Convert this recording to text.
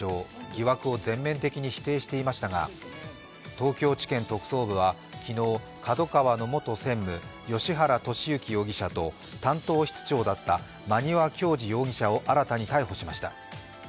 疑惑を全面的に否定していましたが東京地検特捜部は昨日、ＫＡＤＯＫＡＷＡの元専務芳原世幸容疑者と担当室長だった馬庭教二容疑者を新たに逮捕しました。